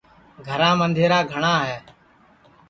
گھرام اںٚدھیرا گھٹؔا ہے